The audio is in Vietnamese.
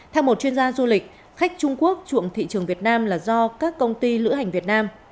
theo một chuyên gia du lịch khách trung quốc chuộng thị trường việt nam là do các công ty lữ hành việt nam